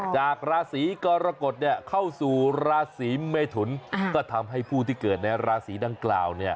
จากราศีกรกฎเข้าสู่ราศีเมทุนก็ทำให้ผู้ที่เกิดในราศีดังกล่าว